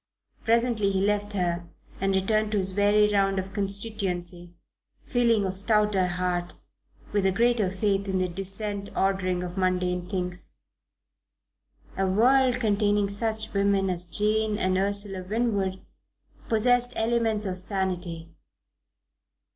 Presently he left her and returned to his weary round of the constituency, feeling of stouter heart, with a greater faith in the decent ordering of mundane things. A world containing such women as Jane and Ursula Winwood possessed elements of sanity.